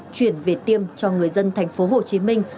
chuyển về tiêm cho người dân thành phố hồ chí minh